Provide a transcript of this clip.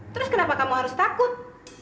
terus kenapa kamu harus takut